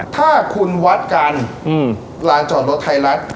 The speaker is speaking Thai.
ถ้าคุณวัดกันลานจอดรถไทยรัฐ